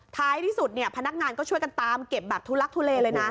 ท้ายที่สุดพนักงานก็ช่วยกันตามเก็บบัตรทุลักษณ์ทุเลเลยนะ